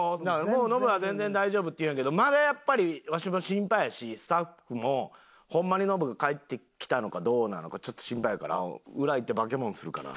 もうノブは「全然大丈夫」って言うんやけどまだやっぱりわしも心配やしスタッフもホンマにノブが帰ってきたのかどうなのかちょっと心配やから裏行ってバケモノするから。